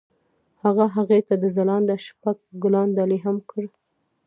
هغه هغې ته د ځلانده شپه ګلان ډالۍ هم کړل.